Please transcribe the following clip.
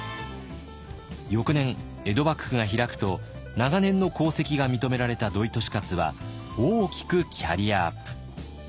翌年江戸幕府が開くと長年の功績が認められた土井利勝は大きくキャリアアップ。